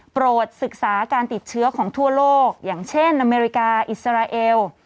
โปรดศึกษาการติดเชื้อของทั่วโลกอย่างเช่นอเมริกาอิสราเอล